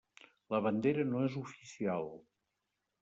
La bandera no és oficial.